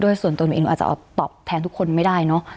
ส่วนตัวหนูเองหนูอาจจะตอบแทนทุกคนไม่ได้เนอะ